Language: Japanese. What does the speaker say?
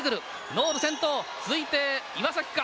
ノール先頭続いて岩崎か？